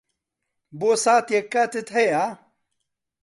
بۆ ساتێک کاتت ھەیە؟